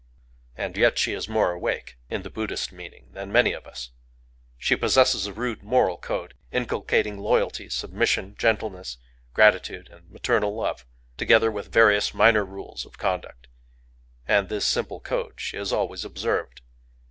And yet she is more awake, in the Buddhist meaning, than many of us. She possesses a rude moral code—inculcating loyalty, submission, gentleness, gratitude, and maternal love; together with various minor rules of conduct;—and this simple code she has always observed.